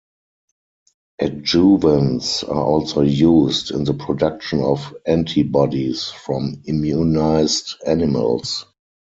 Adjuvants are also used in the production of antibodies from immunized animals.